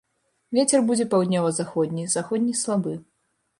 Вецер будзе паўднёва-заходні, заходні слабы.